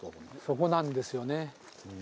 そこなんですよね。